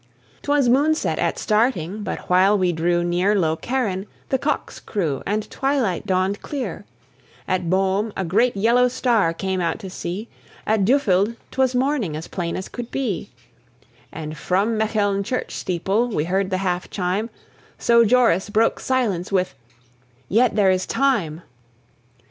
'Twas moonset at starting; but while we drew near Lokeren, the cocks crew and twilight dawned clear; At Boom, a great yellow star came out to see; At Düffeld, 'twas morning as plain as could be; And from Mecheln church steeple we heard the half chime, So Joris broke silence with, "Yet there is time!"